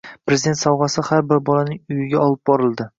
“Prezident sovg‘asi” har bir bolaning uyiga olib borildi